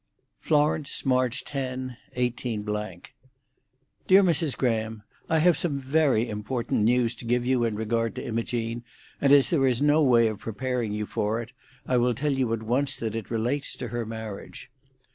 "FLORENCE, March 10, 18— "Dear Mrs. Graham,—I have some very important news to give you in regard to Imogene, and as there is no way of preparing you for it, I will tell you at once that it relates to her marriage.